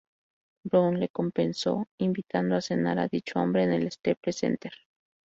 Brown lo compensó invitando a cenar a dicho hombre en el Staples Center.